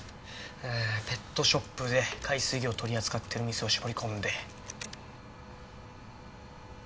うーんペットショップで海水魚を取り扱ってる店を絞り込んで。